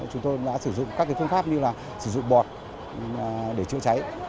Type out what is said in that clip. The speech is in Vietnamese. chúng tôi đã sử dụng các phương pháp như là sử dụng bọt để chữa cháy